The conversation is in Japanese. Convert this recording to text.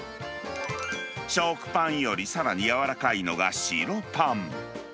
食パンよりさらに柔らかいのが白パン。